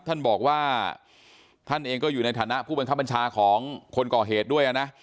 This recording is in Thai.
ท่านบอกว่าท่านเองก็อยู่ในฐานะผู้บังคับบัญชาของคนก่อเหตุด้วยนะ